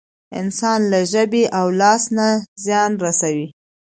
انسان له ژبې او لاس نه زيان رسوي.